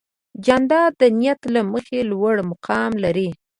جانداد د نیت له مخې لوړ مقام لري.